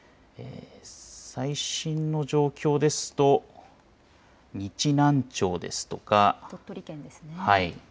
最新の状況ですと日南町ですとか鳥取県ですね